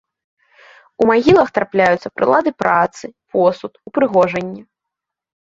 У магілах трапляюцца прылады працы, посуд, упрыгожанні.